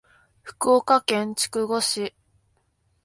福岡県筑後市